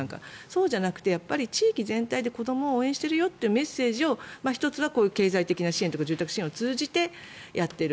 そうじゃなくて地域全体で子どもを応援してるよというメッセージを１つは経済的な支援とか住宅支援を通じてやっている。